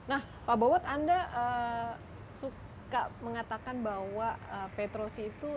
nah pak bowot anda suka mengatakan bahwa petrosi itu